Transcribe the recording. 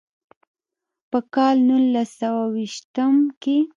پۀ کال نولس سوه ويشتم کښې